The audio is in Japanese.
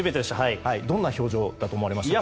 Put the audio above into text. どんな表情だと思われましたか。